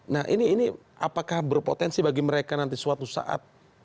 nah ini apakah berpotensi bagi mereka nanti suatu saat